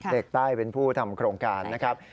เด็กใต้เป็นผู้ทำโครงการนะครับ